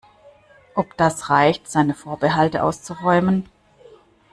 Ob das reicht, seine Vorbehalte auszuräumen?